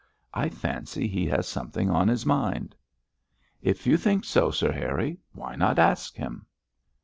I fancy he has something on his mind.' 'If you think so, Sir Harry, why not ask him?'